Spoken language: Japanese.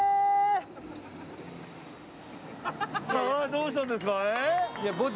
どうしたんですか？